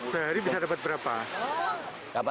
sehari bisa dapat berapa